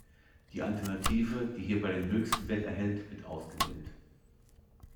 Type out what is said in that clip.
Die Alternative, die hierbei den höchsten Wert erhält, wird ausgewählt.